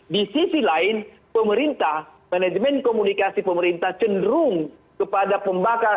di sisi lain pemerintah manajemen komunikasi pemerintah cenderung kepada pembakar